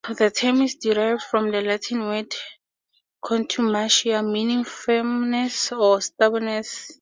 The term is derived from the Latin word "contumacia", meaning firmness or stubbornness.